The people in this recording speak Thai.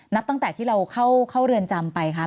นับตั้งแต่ที่เราเข้าเรือนจำไปคะ